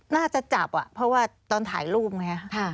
น่าจะจับเพราะว่าตอนถ่ายรูปไง